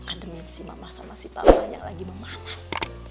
makan demi si mama sama si papa yang lagi memanas